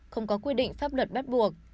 không có quy định pháp luật bắt buộc